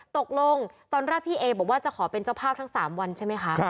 ตกลงตอนแรกพี่เอบอกว่าจะขอเป็นเจ้าภาพทั้ง๓วันใช่ไหมคะ